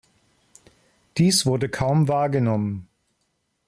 Dies wurde kaum wahrgenommen.